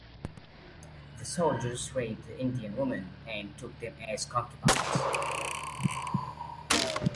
The soldiers raped the Indian woman and took them as concubines.